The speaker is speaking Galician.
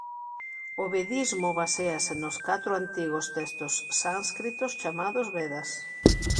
O "vedismo" baséase nos catro antigos textos sánscritos chamados "Vedas".